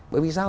bởi vì sao